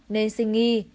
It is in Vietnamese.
nên suy nghĩ